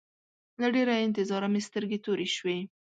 له ډېره انتظاره مې سترګې تورې شوې.